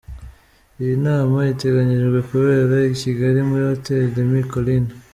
Iyi nama iteganyijwe kubera i Kigali, muri Hotel des Mille colines.